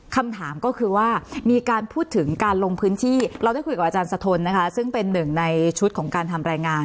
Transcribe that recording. คำถามก็คือว่ามีการพูดถึงการลงพื้นที่เราได้คุยกับอาจารย์สะทนนะคะซึ่งเป็นหนึ่งในชุดของการทำรายงาน